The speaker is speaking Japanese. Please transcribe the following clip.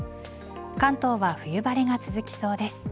関東は冬晴れが続きそうです。